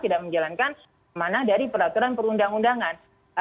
tidak menjalankan amanah dari peraturan perundang undangan